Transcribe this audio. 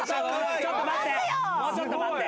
ちょっと待って。